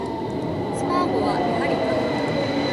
スパーゴはやはり神